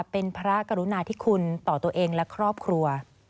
เป็นพระกรุณาธิคุณต่อตัวเองและครอบครัว